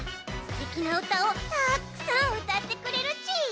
すてきなうたをたくさんうたってくれるち！